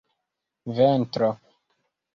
ventro